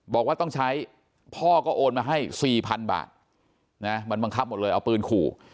บอกว่าต้องใช้พ่อก็โอนมาให้๔๐๐๐บาทนะมันบังคับหมดเลยเอาปืนขู่